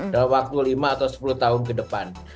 dalam waktu lima atau sepuluh tahun ke depan